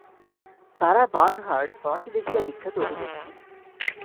সারা Bernhardt ফরাসীদেশীয়া বিখ্যাত অভিনেত্রী।